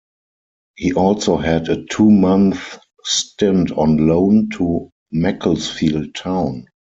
He also had a two-month stint on loan to Macclesfield Town.